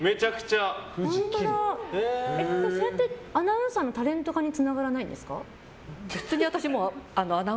それって、アナウンサーのタレント化につながりませんか？